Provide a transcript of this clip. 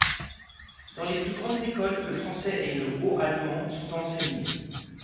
Dans les plus grandes écoles le français et le haut allemand sont enseignés.